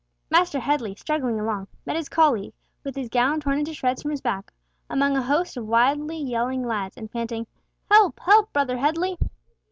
Master Headley, struggling along, met his colleague, with his gown torn into shreds from his back, among a host of wildly yelling lads, and panting, "Help, help, brother Headley!"